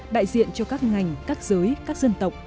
đại diện cho các ngành các giới các dân tộc